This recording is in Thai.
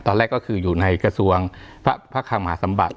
ตอนแรกก็คืออยู่ในกระทรวงพระคังมหาสมบัติ